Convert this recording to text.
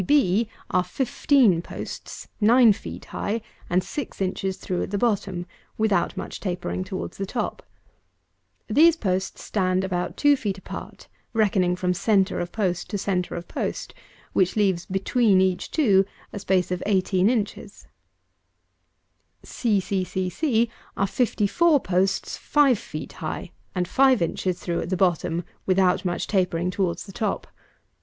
242. b b b are fifteen posts, nine feet high, and six inches through at the bottom, without much tapering towards the top. These posts stand about two feet apart, reckoning from centre of post to centre of post, which leaves between each two a space of eighteen inches, c c c c are fifty four posts, five feet high, and five inches through at the bottom, without much tapering towards the top.